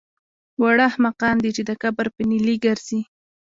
واړه احمقان دي چې د کبر په نیلي ګرځي